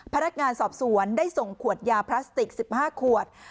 พนักงานสอบสวนได้ส่งขวดยาพลาสติก๑๕ขวด